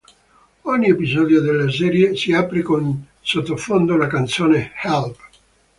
Ogni episodio della serie si apre con sottofondo la canzone "Help!".